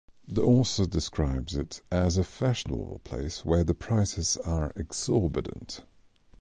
The author describes it as a fashionable place where the prices are exorbitant.